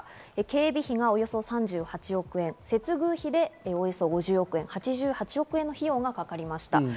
警備費がおよそ３８億円、接遇費でおよそ５０億円、８８億円の費用がかかりました。